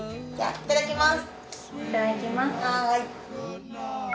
いただきます。